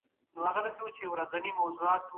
بدلونونه په تدریجي ډول راځي.